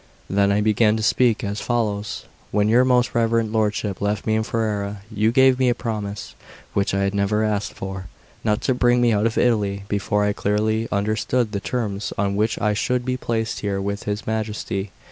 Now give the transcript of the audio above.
Then I began to speak as follows: "When your most reverend lordship left me in Ferrara, you gave me a promise, which I had never asked for, not to bring me out of Italy before I clearly understood the terms on which I should be placed here with his Majesty.